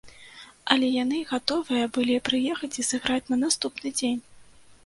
Але яны гатовыя былі прыехаць і сыграць на наступны дзень!